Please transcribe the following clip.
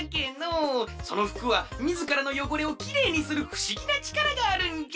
そのふくはみずからのよごれをきれいにするふしぎなちからがあるんじゃ！